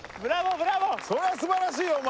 それは素晴らしいよお前。